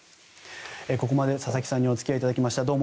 ここまで佐々木さんにお付き合いいただきました。